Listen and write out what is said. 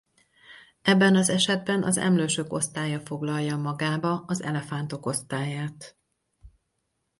Ebben az esetben az emlősök osztálya foglalja magába az elefántok osztályát.